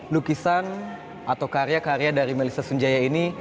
lukisan atau karya karya dari melissa sunjaya ini